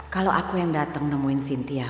kalau aku yang datang nemuin cynthia